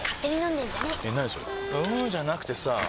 んーじゃなくてさぁ